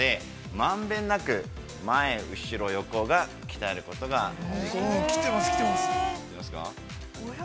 満遍なく、前、後ろ、横が鍛えることができます。